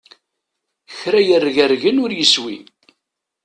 Kra yerregregren ur yeswi!